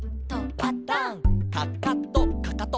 「パタン」「かかとかかと」